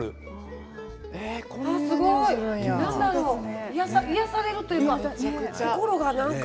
何だろう、癒やされるというか心がなんか。